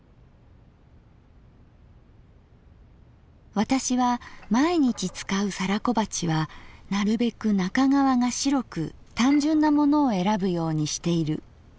「私は毎日使う皿小鉢はなるべく中側が白く単純なものをえらぶようにしている。